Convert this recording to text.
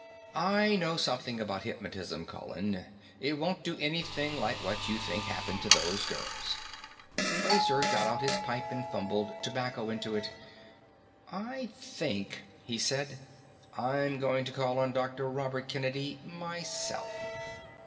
"I know something about hypnotism, Colin. It won't do anything like what you think happened to those girls." Fraser got out his pipe and fumbled tobacco into it. "I think," he said, "I'm going to call on Dr. Robert Kennedy myself."